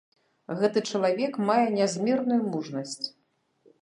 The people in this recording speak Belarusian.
Гэты чалавек мае нязмерную мужнасць.